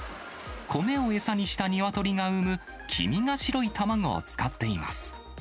米を餌にした鶏が産む、黄身が白い卵を使っています。